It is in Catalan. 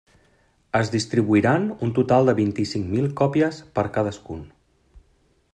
Es distribuiran un total de vint-i-cinc mil còpies per cadascun.